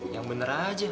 yang bener aja